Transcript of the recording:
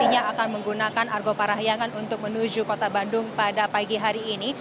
raja gustav tidak akan menggunakan argoparah yangan untuk menuju kota bandung pada pagi hari ini